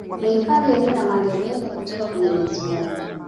Ni hifadhi iliyo na maajabu yake kutoka kwa mwenyezi Mungu